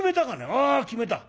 「ああ決めた」。